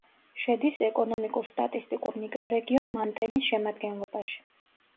შედის ეკონომიკურ-სტატისტიკურ მიკრორეგიონ მანტენის შემადგენლობაში.